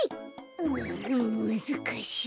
うんむずかしい。